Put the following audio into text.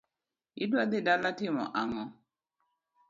Idwaro dhi dala timo ang'o.